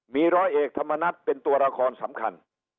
มีร้อยเอกธรรมนัฏเป็นตัวละครสำคัญ